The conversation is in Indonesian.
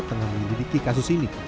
tengah menyelidiki kasus ini